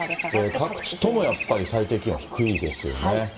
各地ともやっぱり最低気温、低いですよね。